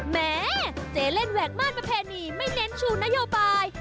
แม้เจเล่นแหวกม่านประเพณีไม่เน้นชูนโยบาย